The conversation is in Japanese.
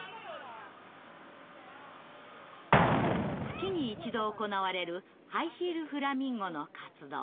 月に一度行われる「ハイヒール・フラミンゴ」の活動。